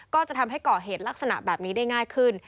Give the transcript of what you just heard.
ก็จะทำให้ก่อเหตุลักษณะแบบนี้ได้ง่ายขึ้น